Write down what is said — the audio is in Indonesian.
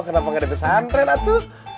kenapa gak ada defesan tren atuh